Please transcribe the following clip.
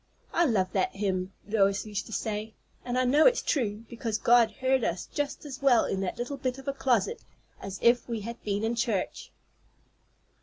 "I love that hymn," Lois used to say; "and I know it's true, because God heard us just as well in that little bit of a closet as if we had been in church!"